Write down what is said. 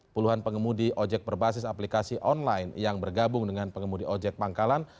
puluhan pengemudi ojek berbasis aplikasi online yang bergabung dengan pengemudi ojek pangkalan